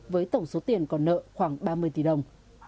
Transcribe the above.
với tổng số tiền còn nợ khoảng ba mươi tỷ đồng